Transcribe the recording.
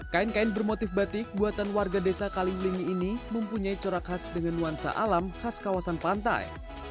kain kain bermotif batik buatan warga desa kaliglingi ini mempunyai corak khas dengan nuansa alam khas kawasan pantai